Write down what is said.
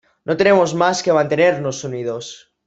No tenemos más que mantenernos unidos.